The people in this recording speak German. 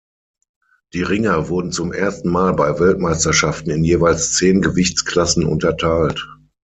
Die Ringer wurden zum ersten Mal bei Weltmeisterschaften in jeweils zehn Gewichtsklassen unterteilt.